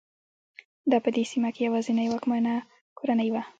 دا په دې سیمه کې یوازینۍ واکمنه کورنۍ وه.